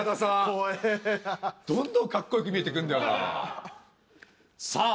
怖えなどんどんかっこよく見えてくんだよなさあ